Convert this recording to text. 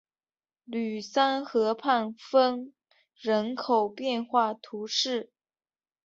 吕桑河畔丰人口变化图示